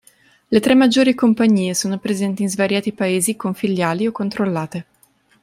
Le tre maggiori Compagnie sono presenti in svariati paesi con filiali o controllate.